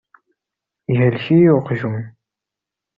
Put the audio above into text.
Yehlek-iyi uqjun.